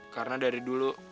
karena dari dulu